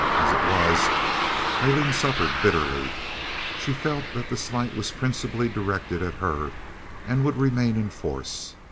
As it was, Aileen suffered bitterly; she felt that the slight was principally directed at her, and would remain in force.